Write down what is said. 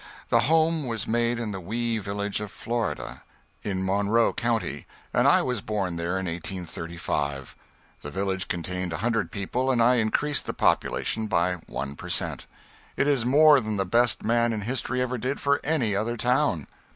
The home was made in the wee village of Florida, in Monroe county, and I was born there in 1835. The village contained a hundred people and I increased the population by one per cent. It is more than the best man in history ever did for any other town.